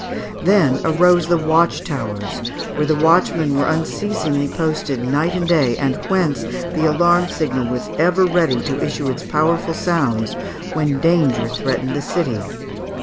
Then arose the watch towers, where the watchmen were unceasingly posted night and day, and whence the alarm signal was ever ready to issue its powerful sounds when danger threatened the city.